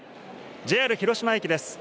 ＪＲ広島駅です。